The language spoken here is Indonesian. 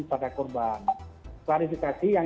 kepada korban klarifikasi yang